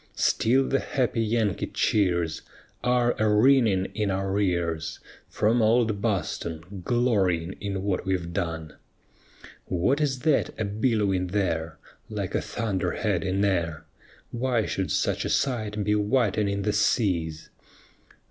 Still the happy Yankee cheers Are a ringing in our ears From old Boston, glorying in what we've done. _What is that a billowing there Like a thunderhead in air? Why should such a sight be whitening the seas?